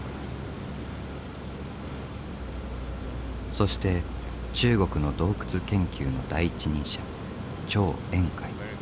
そして中国の洞窟研究の第一人者張遠海。